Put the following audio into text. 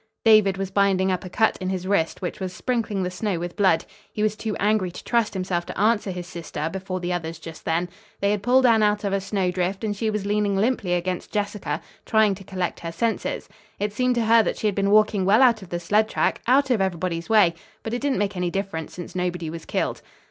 David was binding up a cut in his wrist, which was sprinkling the snow with blood. He was too angry to trust himself to answer his sister before the others just then. They had pulled Anne out of a snowdrift and she was leaning limply against Jessica, trying to collect her senses. It seemed to her that she had been walking well out of the sled track, out of everybody's way; but it didn't make any difference since nobody was killed.